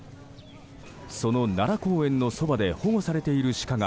その奈良公園のそばで保護されているシカが